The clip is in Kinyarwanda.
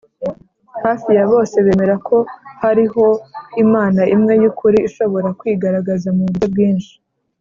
hafi ya bose bemera ko hariho imana imwe y’ukuri ishobora kwigaragaza mu buryo bwinshi